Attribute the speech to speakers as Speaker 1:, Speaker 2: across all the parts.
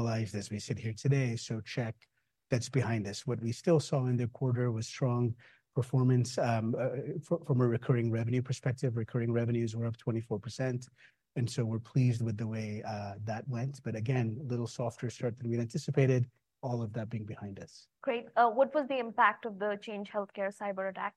Speaker 1: Normalized as we sit here today, so check, that's behind us. What we still saw in the quarter was strong performance from a recurring revenue perspective. Recurring revenues were up 24%, and so we're pleased with the way that went, but again, a little softer start than we'd anticipated, all of that being behind us.
Speaker 2: Great. What was the impact of the Change Healthcare cyber attack?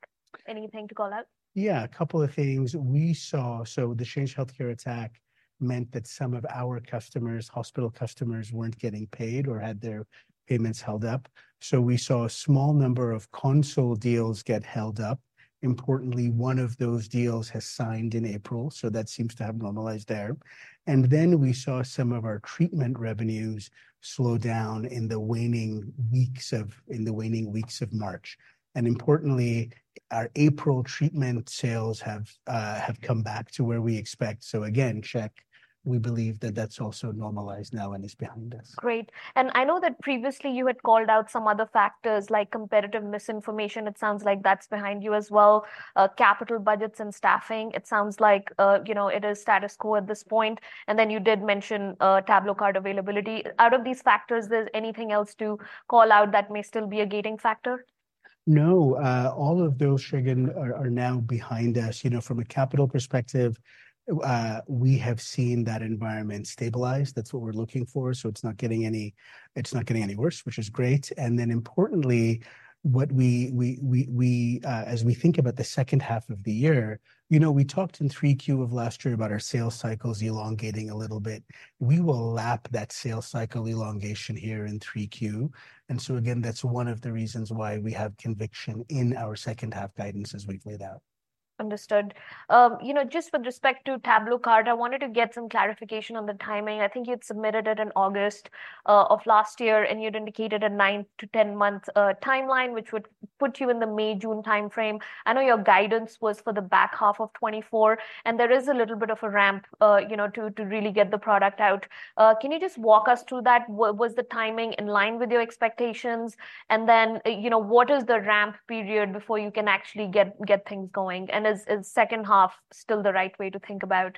Speaker 2: Anything to call out?
Speaker 1: Yeah, a couple of things we saw. So the Change Healthcare attack meant that some of our customers, hospital customers, weren't getting paid or had their payments held up, so we saw a small number of console deals get held up. Importantly, one of those deals has signed in April, so that seems to have normalized there. And then we saw some of our treatment revenues slow down in the waning weeks of March, and importantly, our April treatment sales have come back to where we expect. So again, check. We believe that that's also normalized now and is behind us.
Speaker 2: Great. And I know that previously you had called out some other factors like competitive misinformation. It sounds like that's behind you as well. Capital budgets and staffing, it sounds like, you know, it is status quo at this point. And then you did mention, TabloCart availability. Out of these factors, there's anything else to call out that may still be a gating factor?
Speaker 1: No. All of those, Shagun, are now behind us. You know, from a capital perspective, we have seen that environment stabilize. That's what we're looking for. So it's not getting any worse, which is great. And then importantly, what we as we think about the second half of the year, you know, we talked in three Q of last year about our sales cycles elongating a little bit. We will lap that sales cycle elongation here in three Q. And so again, that's one of the reasons why we have conviction in our second half guidance as we've laid out.
Speaker 2: Understood. You know, just with respect to TabloCart, I wanted to get some clarification on the timing. I think you'd submitted it in August of last year, and you'd indicated a 9-to-10-month timeline, which would put you in the May-June timeframe. I know your guidance was for the back half of 2024, and there is a little bit of a ramp, you know, to really get the product out. Can you just walk us through that? Was the timing in line with your expectations? And then, you know, what is the ramp period before you can actually get things going? And is second half still the right way to think about,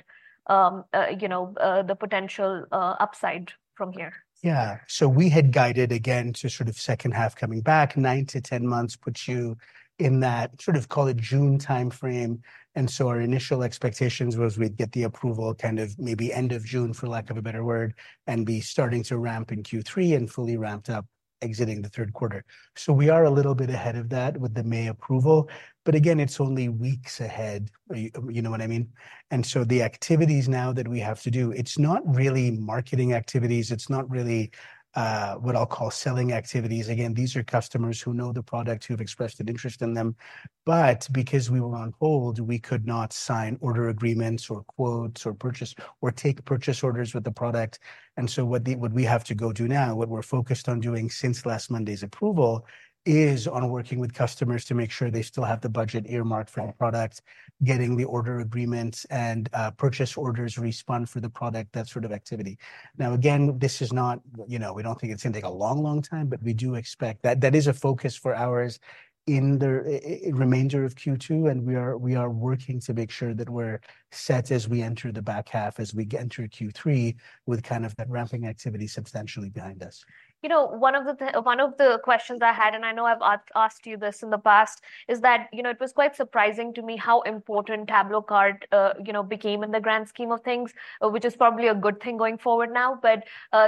Speaker 2: you know, the potential upside from here?
Speaker 1: Yeah. So we had guided again to sort of second half coming back. 9-10 months puts you in that sort of call it June timeframe, and so our initial expectations was we'd get the approval kind of maybe end of June, for lack of a better word, and be starting to ramp in Q3 and fully ramped up exiting the third quarter. So we are a little bit ahead of that with the May approval, but again, it's only weeks ahead. You, you know what I mean? And so the activities now that we have to do, it's not really marketing activities, it's not really, what I'll call selling activities. Again, these are customers who know the product, who've expressed an interest in them, but because we were on hold, we could not sign order agreements or quotes or purchase... or take purchase orders with the product. And so what we have to go do now, what we're focused on doing since last Monday's approval, is on working with customers to make sure they still have the budget earmarked for the product, getting the order agreements and purchase orders re-spun for the product, that sort of activity. Now, again, this is not... You know, we don't think it's gonna take a long, long time, but we do expect that. That is a focus for ours in the remainder of Q2, and we are working to make sure that we're set as we enter the back half, as we enter Q3, with kind of that ramping activity substantially behind us.
Speaker 2: You know, one of the questions I had, and I know I've asked you this in the past, is that, you know, it was quite surprising to me how important TabloCart, you know, became in the grand scheme of things, which is probably a good thing going forward now. But,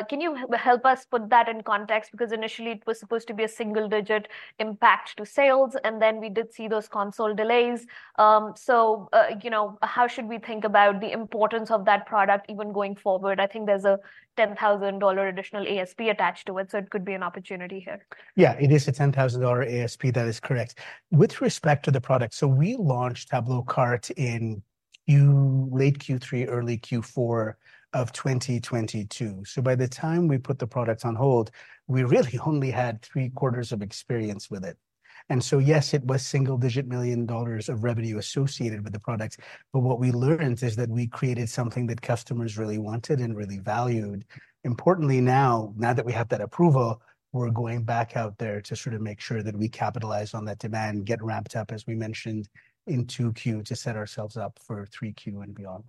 Speaker 2: can you help us put that in context? Because initially, it was supposed to be a single-digit impact to sales, and then we did see those console delays. So, you know, how should we think about the importance of that product even going forward? I think there's a $10,000 additional ASP attached to it, so it could be an opportunity here.
Speaker 1: Yeah, it is a $10,000 ASP. That is correct. With respect to the product, so we launched TabloCart in late Q3, early Q4 of 2022. So by the time we put the product on hold, we really only had 3 quarters of experience with it. And so, yes, it was single-digit $ million of revenue associated with the product, but what we learned is that we created something that customers really wanted and really valued. Importantly now, now that we have that approval, we're going back out there to sort of make sure that we capitalize on that demand, get ramped up, as we mentioned, in 2Q, to set ourselves up for 3Q and beyond.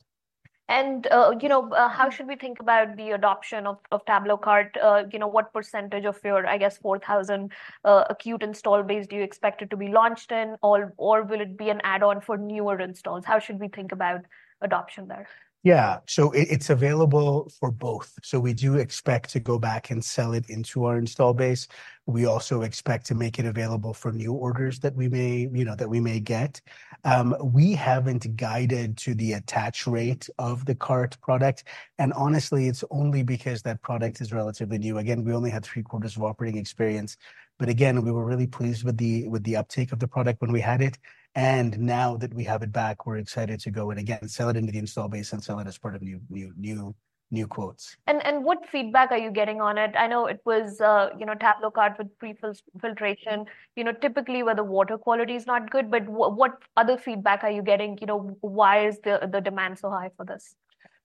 Speaker 2: You know, how should we think about the adoption of TabloCart? You know, what percentage of your, I guess, 4,000 acute install base do you expect it to be launched in? Or, will it be an add-on for newer installs? How should we think about adoption there?
Speaker 1: Yeah. So it's available for both. So we do expect to go back and sell it into our install base. We also expect to make it available for new orders that we may, you know, that we may get. We haven't guided to the attach rate of the cart product, and honestly, it's only because that product is relatively new. Again, we only had 3 quarters of operating experience. But again, we were really pleased with the uptake of the product when we had it, and now that we have it back, we're excited to go in again and sell it into the install base and sell it as part of new quotes.
Speaker 2: And what feedback are you getting on it? I know it was, you know, TabloCart with prefiltration, you know, typically where the water quality is not good, but what other feedback are you getting? You know, why is the demand so high for this?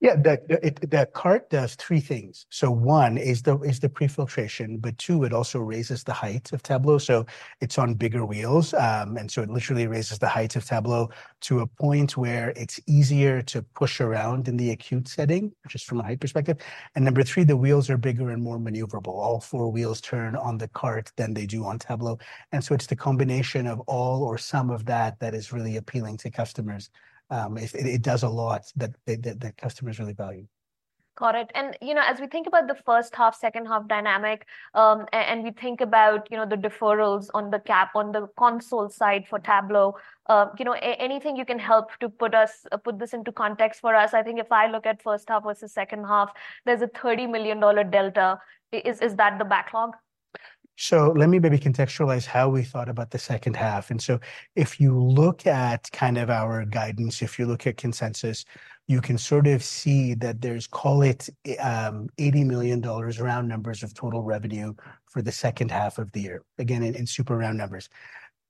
Speaker 1: Yeah, the cart does three things: so one is the pre-filtration, but two, it also raises the height of Tablo, so it's on bigger wheels. And so it literally raises the height of Tablo to a point where it's easier to push around in the acute setting, just from a height perspective. And number three, the wheels are bigger and more maneuverable. All four wheels turn on the cart than they do on Tablo. And so it's the combination of all or some of that that is really appealing to customers. It does a lot that customers really value.
Speaker 2: Got it. And, you know, as we think about the first half, second half dynamic, and we think about, you know, the deferrals on the cap, on the console side for Tablo, you know, anything you can help to put this into context for us? I think if I look at first half versus second half, there's a $30 million delta. Is that the backlog?
Speaker 1: So let me maybe contextualize how we thought about the second half. And so if you look at kind of our guidance, if you look at consensus, you can sort of see that there's, call it, $80 million, round numbers, of total revenue for the second half of the year. Again, in super round numbers.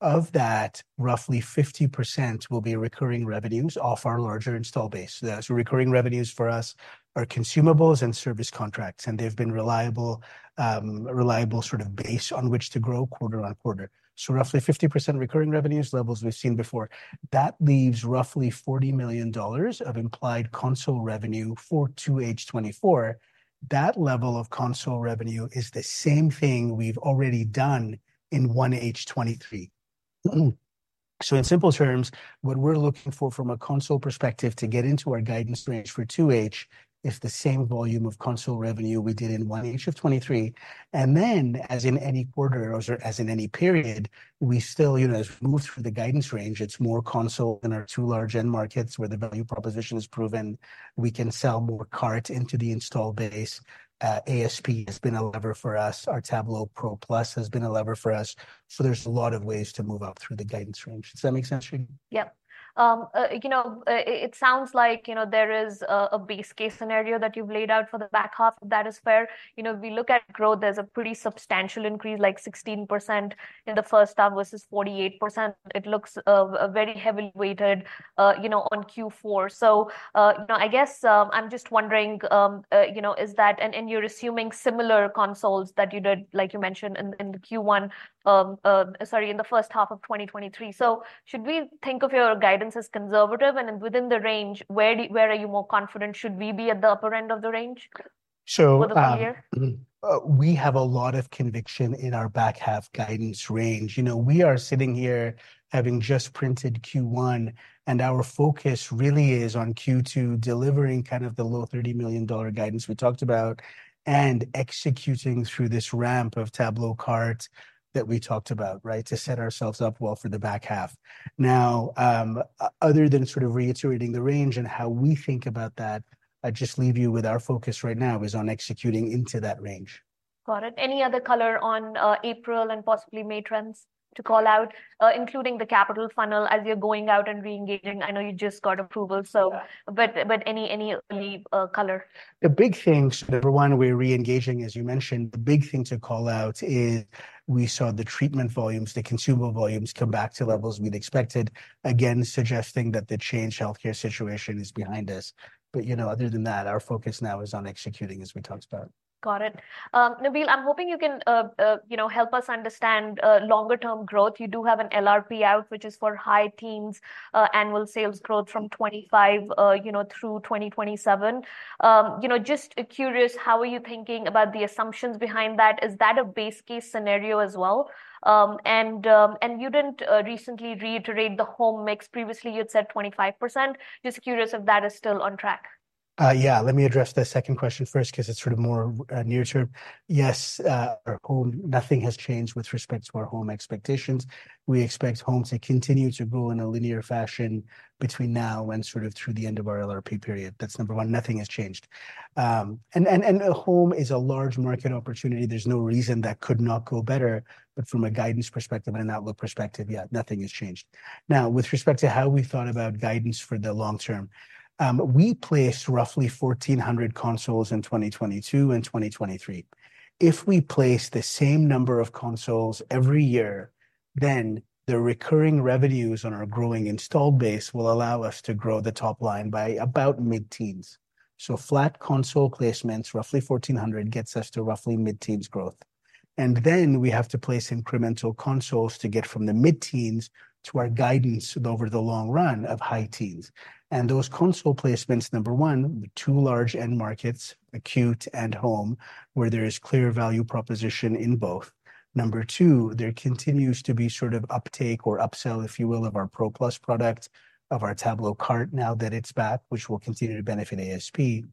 Speaker 1: Of that, roughly 50% will be recurring revenues off our larger install base. The recurring revenues for us are consumables and service contracts, and they've been reliable, a reliable sort of base on which to grow quarter on quarter. So roughly 50% recurring revenues, levels we've seen before. That leaves roughly $40 million of implied console revenue for 2H 2024. That level of console revenue is the same thing we've already done in 1H 2023. So in simple terms, what we're looking for from a console perspective to get into our guidance range for 2H is the same volume of console revenue we did in 1H of 2023. And then, as in any quarter or as in any period, we still, you know, as we move through the guidance range, it's more console in our two large end markets where the value proposition is proven. We can sell more cart into the install base. ASP has been a lever for us. Our Tablo Pro Plus has been a lever for us. So there's a lot of ways to move up through the guidance range. Does that make sense, Shruti?
Speaker 2: Yep. You know, it sounds like, you know, there is a base case scenario that you've laid out for the back half. That is fair. You know, if we look at growth, there's a pretty substantial increase, like 16% in the first half versus 48%. It looks very heavily weighted, you know, on Q4. So, you know, I guess, you know, is that... And you're assuming similar consoles that you did, like you mentioned in the Q1, sorry, in the first half of 2023. So should we think of your guidance as conservative? And then within the range, where are you more confident should we be, at the upper end of the range for the full year?
Speaker 1: We have a lot of conviction in our back half guidance range. You know, we are sitting here having just printed Q1, and our focus really is on Q2, delivering kind of the low $30 million guidance we talked about, and executing through this ramp of TabloCart that we talked about, right? To set ourselves up well for the back half. Now, other than sort of reiterating the range and how we think about that, I'd just leave you with our focus right now is on executing into that range.
Speaker 2: Got it. Any other color on, April and possibly May trends to call out, including the capital funnel as you're going out and re-engaging? I know you just got approval, so-
Speaker 1: Yeah.
Speaker 2: But any color?
Speaker 1: The big thing, so number one, we're re-engaging, as you mentioned. The big thing to call out is we saw the treatment volumes, the consumable volumes, come back to levels we'd expected. Again, suggesting that the Change Healthcare situation is behind us. But, you know, other than that, our focus now is on executing, as we talked about.
Speaker 2: Got it. Nabeel, I'm hoping you can, you know, help us understand, longer term growth. You do have an LRP out, which is for high teens, annual sales growth from 2025, you know, through 2027. You know, just curious, how are you thinking about the assumptions behind that? Is that a base case scenario as well? And, and you didn't, recently reiterate the home mix. Previously, you'd said 25%. Just curious if that is still on track.
Speaker 1: Yeah, let me address the second question first, 'cause it's sort of more near term. Yes, our home. Nothing has changed with respect to our home expectations. We expect home to continue to grow in a linear fashion between now and sort of through the end of our LRP period. That's number one, nothing has changed. Home is a large market opportunity. There's no reason that could not go better, but from a guidance perspective and an outlook perspective, yeah, nothing has changed. Now, with respect to how we thought about guidance for the long term, we placed roughly 1,400 consoles in 2022 and 2023. If we place the same number of consoles every year, then the recurring revenues on our growing install base will allow us to grow the top line by about mid-teens. So flat console placements, roughly 1,400, gets us to roughly mid-teens growth. And then we have to place incremental consoles to get from the mid-teens to our guidance over the long run of high teens. And those console placements, number one, the two large end markets, acute and home, where there is clear value proposition in both. Number two, there continues to be sort of uptake or upsell, if you will, of our Tablo Pro Plus, of our TabloCart, now that it's back, which will continue to benefit ASP.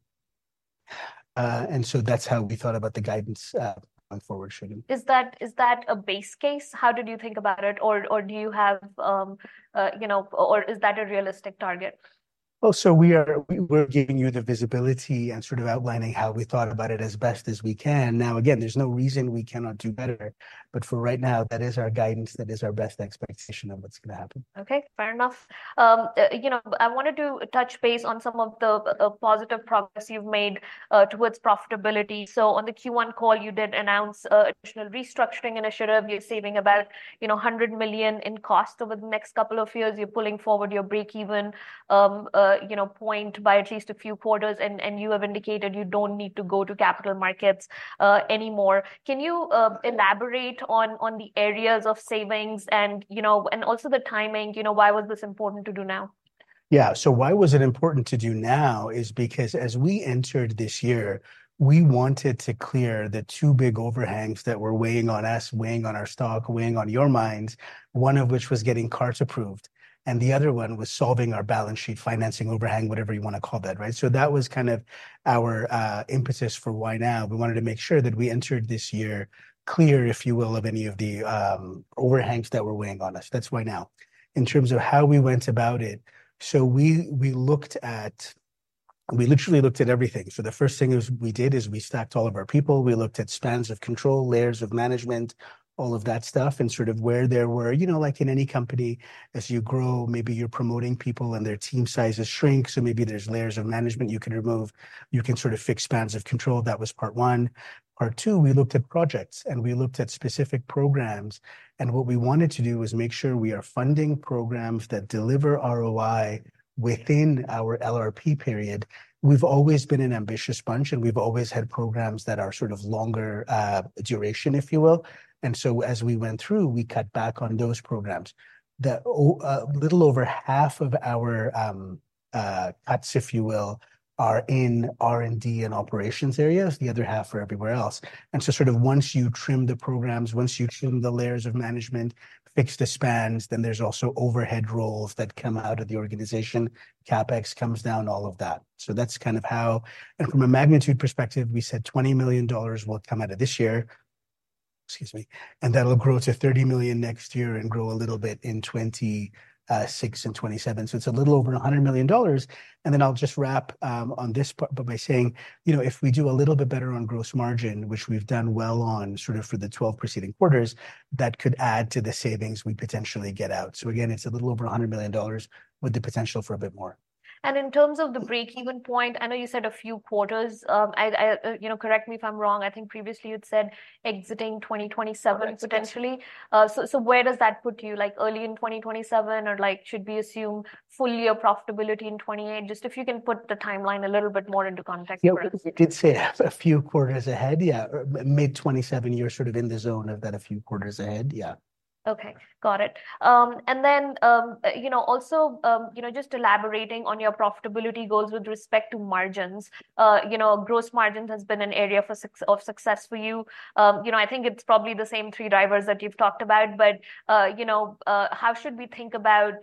Speaker 1: And so that's how we thought about the guidance going forward, Shruti.
Speaker 2: Is that a base case? How did you think about it? Or do you have, you know... Or is that a realistic target?
Speaker 1: Well, so we're giving you the visibility and sort of outlining how we thought about it as best as we can. Now, again, there's no reason we cannot do better, but for right now, that is our guidance. That is our best expectation of what's going to happen.
Speaker 2: Okay, fair enough. You know, I wanted to touch base on some of the positive progress you've made towards profitability. So on the Q1 call, you did announce an additional restructuring initiative. You're saving about $100 million in cost over the next couple of years. You're pulling forward your break-even point by at least a few quarters, and you have indicated you don't need to go to capital markets anymore. Can you elaborate on the areas of savings and also the timing? You know, why was this important to do now?
Speaker 1: Yeah, so why was it important to do now is because as we entered this year, we wanted to clear the two big overhangs that were weighing on us, weighing on our stock, weighing on your minds, one of which was getting TabloCart approved, and the other one was solving our balance sheet, financing overhang, whatever you wanna call that, right? So that was kind of our impetus for why now. We wanted to make sure that we entered this year clear, if you will, of any of the overhangs that were weighing on us. That's why now. In terms of how we went about it, so we literally looked at everything. So the first thing is, we did is we stacked all of our people. We looked at spans of control, layers of management, all of that stuff, and sort of where there were... You know, like in any company, as you grow, maybe you're promoting people, and their team sizes shrink, so maybe there's layers of management you can remove. You can sort of fix spans of control. That was part one. Part two, we looked at projects, and we looked at specific programs, and what we wanted to do was make sure we are funding programs that deliver ROI within our LRP period. We've always been an ambitious bunch, and we've always had programs that are sort of longer, duration, if you will. And so as we went through, we cut back on those programs. The little over half of our cuts, if you will, are in R&D and operations areas, the other half are everywhere else. And so sort of once you trim the programs, once you trim the layers of management, fix the spans, then there's also overhead roles that come out of the organization, CapEx comes down, all of that. So that's kind of how. And from a magnitude perspective, we said $20 million will come out of this year, excuse me, and that'll grow to $30 million next year and grow a little bit in 2026 and 2027. So it's a little over $100 million. And then I'll just wrap on this part by saying, you know, if we do a little bit better on gross margin, which we've done well on, sort of for the 12 preceding quarters, that could add to the savings we potentially get out. So again, it's a little over $100 million with the potential for a bit more.
Speaker 2: In terms of the break-even point, I know you said a few quarters. You know, correct me if I'm wrong, I think previously you'd said exiting 2027-
Speaker 1: Correct.
Speaker 2: -potentially. So, so where does that put you? Like, early in 2027, or, like, should we assume full year profitability in 2028? Just if you can put the timeline a little bit more into context for us.
Speaker 1: Yeah, I did say a few quarters ahead. Yeah, mid-2027, you're sort of in the zone of that a few quarters ahead. Yeah.
Speaker 2: Okay, got it. And then, you know, also, you know, just elaborating on your profitability goals with respect to margins. You know, gross margins has been an area of success for you. You know, I think it's probably the same three drivers that you've talked about, but, you know, how should we think about,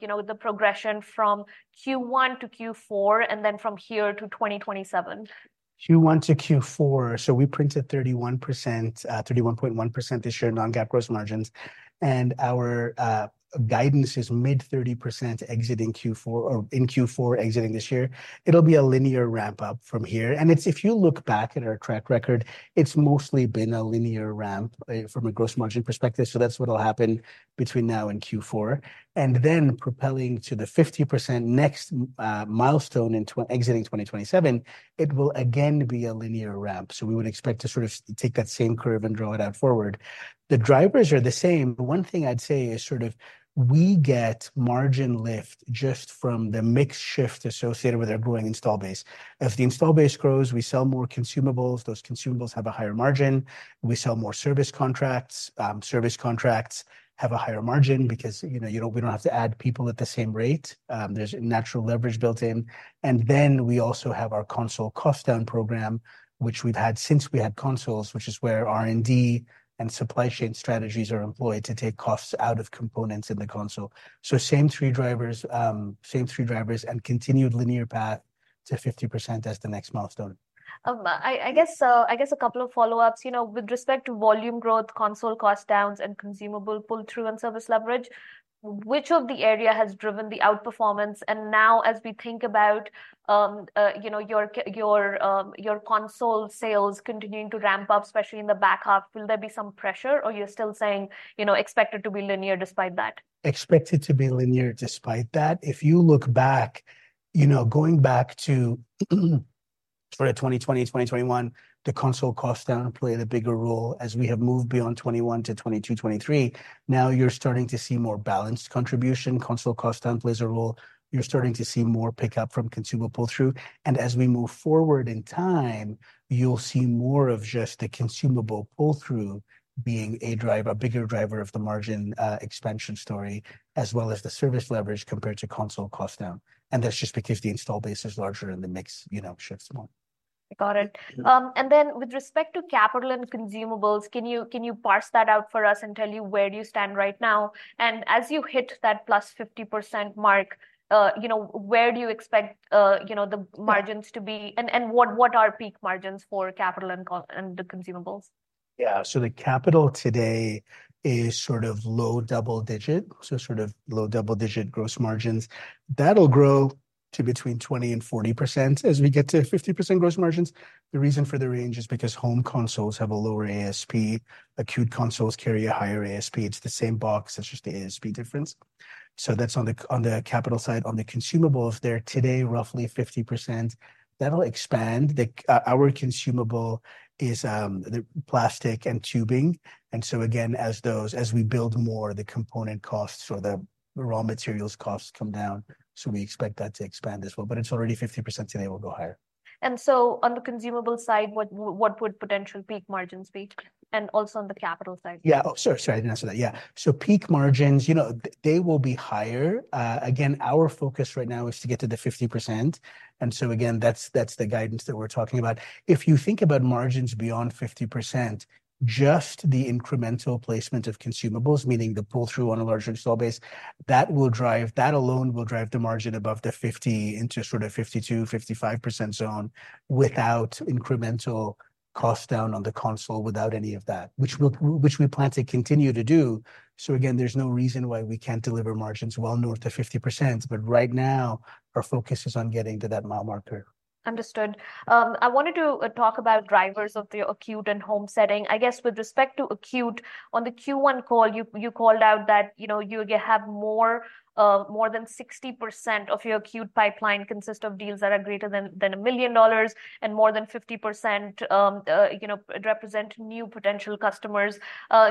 Speaker 2: you know, the progression from Q1 to Q4, and then from here to 2027?
Speaker 1: Q1 to Q4, so we printed 31%, 31.1% this year, non-GAAP gross margins, and our guidance is mid-30% exiting Q4 or in Q4, exiting this year. It'll be a linear ramp-up from here. And it's... If you look back at our track record, it's mostly been a linear ramp, from a gross margin perspective, so that's what'll happen between now and Q4. And then propelling to the 50% next milestone in tw- exiting 2027, it will again be a linear ramp, so we would expect to sort of take that same curve and draw it out forward. The drivers are the same, but one thing I'd say is sort of, we get margin lift just from the mix shift associated with our growing install base. As the install base grows, we sell more consumables. Those consumables have a higher margin. We sell more service contracts. Service contracts have a higher margin because, you know, you know, we don't have to add people at the same rate. There's natural leverage built in. And then we also have our console cost down program, which we've had since we had consoles, which is where R&D and supply chain strategies are employed to take costs out of components in the console. So same three drivers, same three drivers, and continued linear path to 50% as the next milestone.
Speaker 2: I guess a couple of follow-ups. You know, with respect to volume growth, console cost downs, and consumable pull-through and service leverage, which of the area has driven the outperformance? And now, as we think about, you know, your console sales continuing to ramp up, especially in the back half, will there be some pressure, or you're still saying, you know, expect it to be linear despite that?
Speaker 1: Expect it to be linear, despite that. If you look back, you know, going back to sort of 2020, 2021, the console cost down played a bigger role. As we have moved beyond 2021 to 2022, 2023, now you're starting to see more balanced contribution. Console cost down plays a role. You're starting to see more pick-up from consumable pull-through, and as we move forward in time, you'll see more of just the consumable pull-through being a driver, a bigger driver of the margin, expansion story, as well as the service leverage compared to console cost down. And that's just because the install base is larger and the mix, you know, shifts more.
Speaker 2: Got it.
Speaker 1: Yeah.
Speaker 2: And then with respect to capital and consumables, can you, can you parse that out for us and tell you where do you stand right now? And as you hit that +50% mark, you know, where do you expect, you know, the-
Speaker 1: Yeah
Speaker 2: margins to be, and what are peak margins for capital and the consumables?
Speaker 1: Yeah. So the capital today is sort of low double-digit, so sort of low double-digit gross margins. That'll grow to between 20%-40% as we get to 50% gross margins. The reason for the range is because home consoles have a lower ASP. Acute consoles carry a higher ASP. It's the same box, it's just the ASP difference. So that's on the capital side. On the consumables, they're today roughly 50%. That'll expand. Our consumable is the plastic and tubing, and so again, as we build more, the component costs or the raw materials costs come down, so we expect that to expand as well. But it's already 50% today, it will go higher.
Speaker 2: So on the consumable side, what would potential peak margins be? And also on the capital side.
Speaker 1: Yeah. Oh, sorry, sorry, I didn't answer that. Yeah, so peak margins, you know, they will be higher. Again, our focus right now is to get to the 50%, and so again, that's, that's the guidance that we're talking about. If you think about margins beyond 50%, just the incremental placement of consumables, meaning the pull-through on a larger install base, that will drive... That alone will drive the margin above the 50% into sort of 52%-55% zone, without incremental cost down on the console, without any of that, which we'll-- which we plan to continue to do. So again, there's no reason why we can't deliver margins well north of 50%, but right now, our focus is on getting to that mile marker.
Speaker 2: Understood. I wanted to talk about drivers of the acute and home setting. I guess with respect to acute, on the Q1 call, you called out that, you know, you have more than 60% of your acute pipeline consist of deals that are greater than $1 million, and more than 50%, you know, represent new potential customers.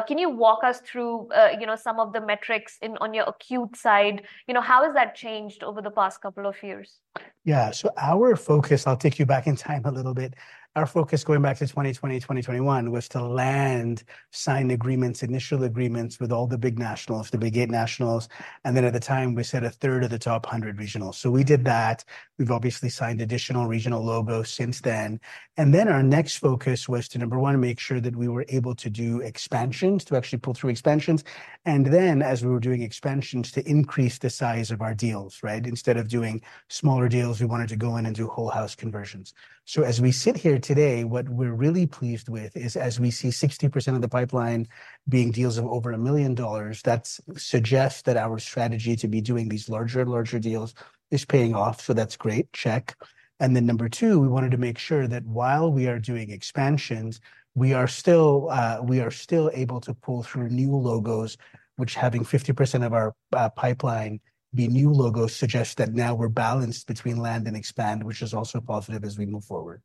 Speaker 2: Can you walk us through, you know, some of the metrics on your acute side? You know, how has that changed over the past couple of years?
Speaker 1: Yeah. So our focus... I'll take you back in time a little bit. Our focus going back to 2020, 2021, was to land signed agreements, initial agreements with all the big nationals, the big eight nationals. And then at the time, we said a third of the top 100 regionals. So we did that. We've obviously signed additional regional logos since then. And then our next focus was to, number one, make sure that we were able to do expansions, to actually pull through expansions, and then, as we were doing expansions, to increase the size of our deals, right? Instead of doing smaller deals, we wanted to go in and do whole house conversions. So as we sit here today, what we're really pleased with is, as we see 60% of the pipeline being deals of over $1 million, that suggests that our strategy to be doing these larger and larger deals is paying off, so that's great. Check. And then number two, we wanted to make sure that while we are doing expansions, we are still able to pull through new logos, which having 50% of our pipeline be new logos, suggests that now we're balanced between land and expand, which is also positive as we move forward.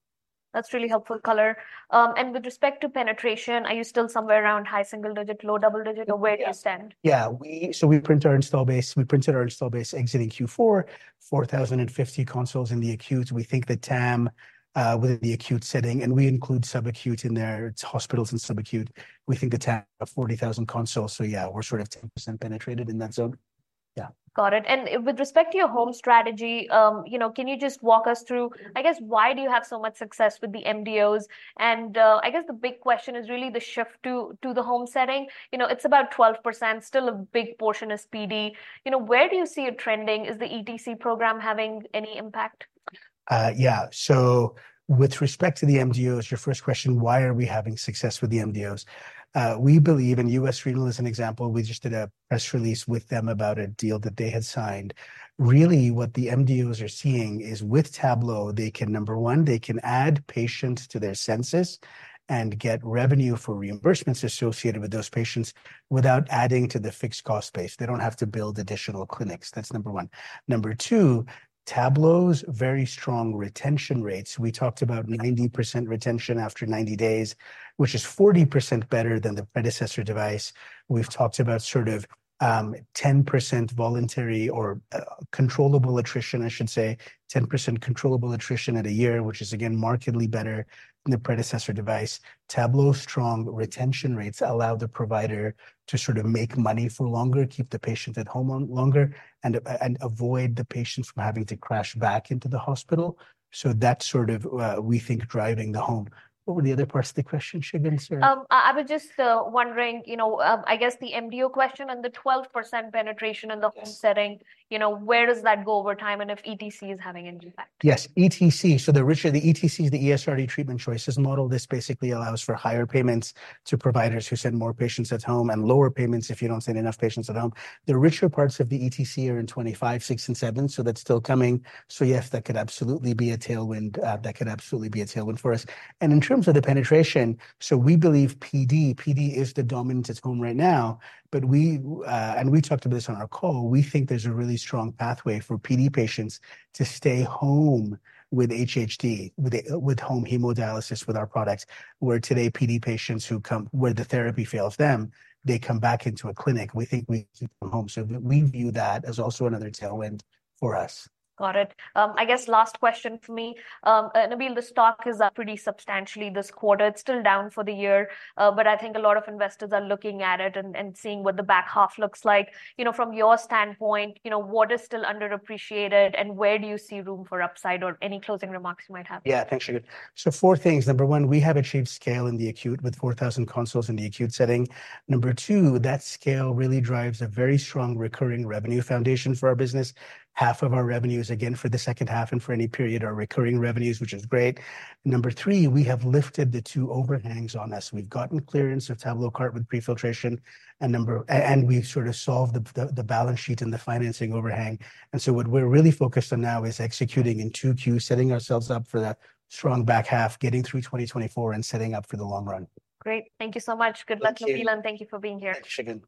Speaker 2: That's really helpful color. With respect to penetration, are you still somewhere around high single digit, low double digit, or where do you stand?
Speaker 1: Yeah, so we print our installed base. We printed our installed base exiting Q4, 4,050 consoles in the acute. We think the TAM within the acute setting, and we include sub-acute in there, it's hospitals and sub-acute, we think the TAM of 40,000 consoles. So yeah, we're sort of 10% penetrated in that zone. Yeah.
Speaker 2: Got it. With respect to your home strategy, you know, can you just walk us through, I guess, why do you have so much success with the MDOs? I guess the big question is really the shift to the home setting. You know, it's about 12%, still a big portion is PD. You know, where do you see it trending? Is the ETC program having any impact?
Speaker 1: Yeah. So with respect to the MDOs, your first question, why are we having success with the MDOs? We believe, and US Renal is an example, we just did a press release with them about a deal that they had signed. Really, what the MDOs are seeing is, with Tablo, they can, number one, they can add patients to their census and get revenue for reimbursements associated with those patients without adding to the fixed cost base. They don't have to build additional clinics. That's number one. Number two, Tablo's very strong retention rates. We talked about 90% retention after 90 days, which is 40% better than the predecessor device. We've talked about sort of, 10% voluntary or, controllable attrition, I should say, 10% controllable attrition at a year, which is again, markedly better than the predecessor device. Tablo's strong retention rates allow the provider to sort of make money for longer, keep the patient at home longer, and avoid the patient from having to crash back into the hospital. So that's sort of, we think, driving the home. What were the other parts of the question, Shagun, sorry?
Speaker 2: I was just wondering, you know, I guess the MDO question and the 12% penetration in the home setting.
Speaker 1: Yes.
Speaker 2: You know, where does that go over time, and if ETC is having any impact?
Speaker 1: Yes, ETC. So the richer the ETC is, the ESRD Treatment Choices model. This basically allows for higher payments to providers who send more patients at home, and lower payments if you don't send enough patients at home. The richer parts of the ETC are in 2025, 2026, and 2027, so that's still coming. So yes, that could absolutely be a tailwind. That could absolutely be a tailwind for us. And in terms of the penetration, so we believe PD, PD is the dominant at home right now, but we... And we talked about this on our call, we think there's a really strong pathway for PD patients to stay home with HHD, with home hemodialysis, with our products, where today, PD patients who come, where the therapy fails them, they come back into a clinic. We think we keep them home. So we view that as also another tailwind for us.
Speaker 2: Got it. I guess last question for me. Nabeel, the stock is up pretty substantially this quarter. It's still down for the year, but I think a lot of investors are looking at it and, and seeing what the back half looks like. You know, from your standpoint, you know, what is still underappreciated, and where do you see room for upside? Or any closing remarks you might have.
Speaker 1: Yeah. Thanks, Shagun. So four things. Number one, we have achieved scale in the acute with 4,000 consoles in the acute setting. Number two, that scale really drives a very strong recurring revenue foundation for our business. Half of our revenues, again, for the second half and for any period, are recurring revenues, which is great. Number three, we have lifted the two overhangs on this. We've gotten clearance of TabloCart with prefiltration, and we've sort of solved the balance sheet and the financing overhang. And so what we're really focused on now is executing in 2Q, setting ourselves up for that strong back half, getting through 2024, and setting up for the long run.
Speaker 2: Great. Thank you so much.
Speaker 1: Thank you.
Speaker 2: Good luck, Nabeel, and thank you for being here.
Speaker 1: Thanks, Shagun.